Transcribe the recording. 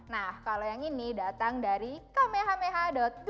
nah kalau yang ini datang dari kamehameha dua puluh sembilan